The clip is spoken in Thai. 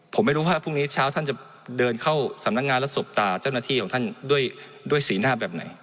ผมไม่รู้ว่าพรุ่งนี้เช้าท่านจะเดินเข้าสำนักงานและสบตาเจ้าหน้าที่ของท่านด้วยสีหน้าแบบไหน